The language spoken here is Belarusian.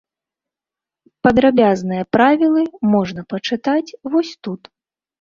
Падрабязныя правілы можна пачытаць вось тут.